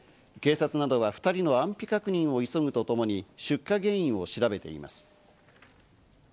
警察などは２人の安否確認を急ぐとともに出火原因を調べています。